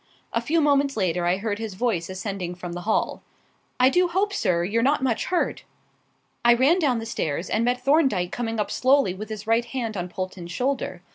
A few moments later I heard his voice ascending from the hall "I do hope, sir, you're not much hurt?" I ran down the stairs and met Thorndyke coming up slowly with his right hand on Polton's shoulder.